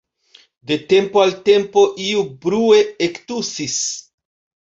De tempo al tempo iu brue ektusis.